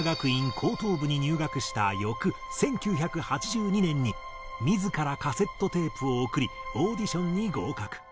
高等部に入学した翌１９８２年に自らカセットテープを送りオーディションに合格。